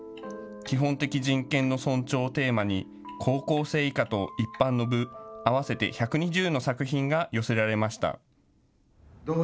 基本的人権の尊重をテーマに高校生以下と一般の部、合わせて１２０の作品が寄せられました。